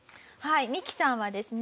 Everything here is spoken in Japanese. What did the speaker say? ミキさんはですね